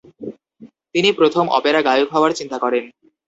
তিনি প্রথম অপেরা গায়ক হওয়ার চিন্তা করেন।